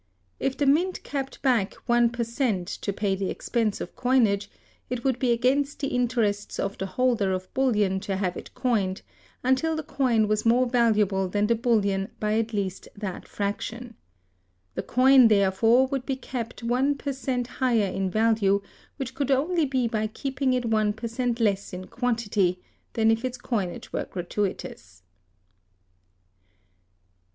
If the mint kept back one per cent, to pay the expense of coinage, it would be against the interest of the holders of bullion to have it coined, until the coin was more valuable than the bullion by at least that fraction. The coin, therefore, would be kept one per cent higher in value, which could only be by keeping it one per cent less in quantity, than if its coinage were gratuitous.